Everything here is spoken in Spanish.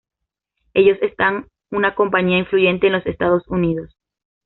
Ellos están una compañía influyente en los Estados Unidos.